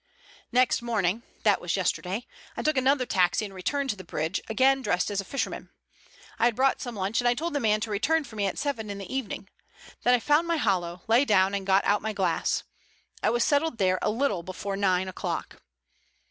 "Next morning, that was yesterday, I took another taxi and returned to the bridge, again dressed as a fisherman. I had brought some lunch, and I told the man to return for me at seven in the evening. Then I found my hollow, lay down and got out my glass. I was settled there a little before nine o'clock.